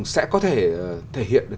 sẽ có thể thể hiện được